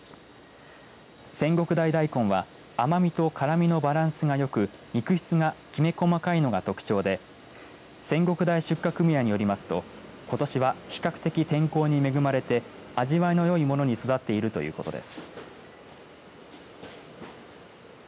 千石台だいこんは甘みとからみのバランスが良く肉質がきめ細かいのが特徴で千石台出荷組合によりますとことしは比較的天候に恵まれて味わいのよいものに育っているということです。